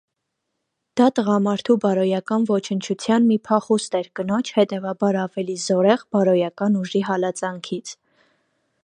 Դա տղամարդու բարոյական ոչնչության մի փախուստ էր կնոջ, հետևաբար ավելի զորեղ, բարոյական ուժի հալածանքից: